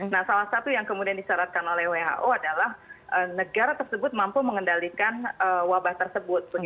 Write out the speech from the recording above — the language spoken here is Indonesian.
nah salah satu yang kemudian disyaratkan oleh who adalah negara tersebut mampu mengendalikan wabah tersebut